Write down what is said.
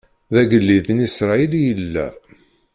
D agellid n Isṛayil i yella!